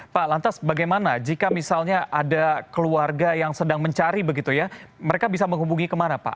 pak lantas bagaimana jika misalnya ada keluarga yang sedang mencari begitu ya mereka bisa menghubungi kemana pak